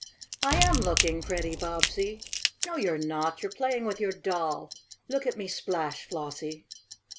"I am looking, Freddie Bobbsey!" "No, you're not! You're playing with your doll! Look at me splash, Flossie!"